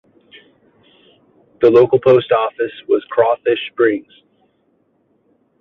The local post office was Crawfish Springs.